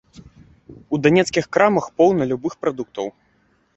У данецкіх крамах поўна любых прадуктаў.